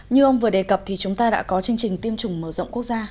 như ông vừa đề cập thì chúng ta đã có chương trình tiêm chủng mở rộng quốc gia